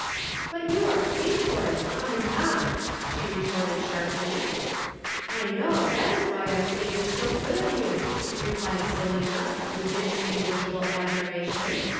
"'But you are paid for it, I'm not,' she retorted sharply. "'I know. That is why I say it is so good of you,' replied Selina, with inextinguishable admiration.